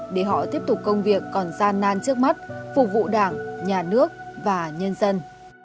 để họ tiếp tục công việc còn gian nan trước mắt phục vụ đảng nhà nước và nhân dân